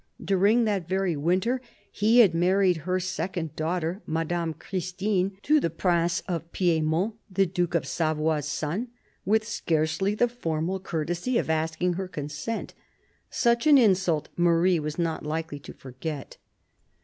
During that very winter he had married her second daughter, Madame Christine, to the Prince of Piedmont, the Duke of Savoy's son, with scarcely the formal courtesy of asking her consent. Such an insult Marie was not likely to forget.